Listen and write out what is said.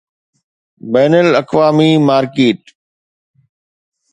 بين الاقوامي مارڪيٽ